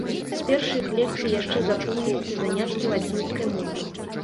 З першых лекцый яшчэ запомніліся заняткі лацінскай мовы.